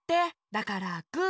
だからグー。